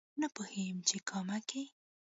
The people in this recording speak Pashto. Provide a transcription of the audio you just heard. نه پوهېږم چې کامه کې